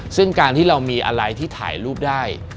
ซึ่งการที่เรามีอะไรที่ถ่ายรูปได้